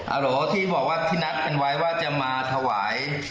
โหลที่บอกว่าที่นัดกันไว้ว่าจะมาถวาย